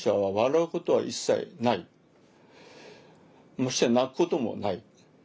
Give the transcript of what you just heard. ましてや泣くこともない。